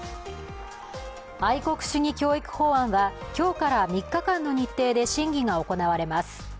愛国主義教育法案は今日から３日間の日程で審議が行われます。